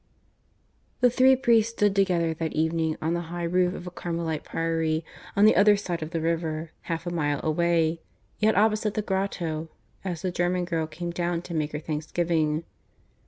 (V) The three priests stood together that evening on the high roof of a Carmelite priory, on the other side of the river, half a mile away, yet opposite the grotto, as the German girl came down to make her thanksgiving.